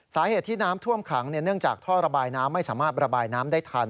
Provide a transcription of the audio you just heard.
สาเหตุที่น้ำท่วมขังเนื่องจากท่อระบายน้ำไม่สามารถระบายน้ำได้ทัน